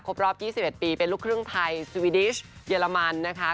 รอบ๒๑ปีเป็นลูกครึ่งไทยสวีดิชเยอรมันนะคะ